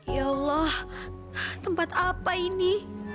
ya allah tempat apa ini